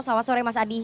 selamat sore mas adi